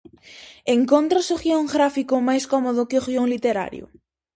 Encontras o guión gráfico máis cómodo que o guión literario?